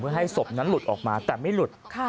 เพื่อให้ศพนั้นหลุดออกมาแต่ไม่หลุด